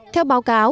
theo báo cáo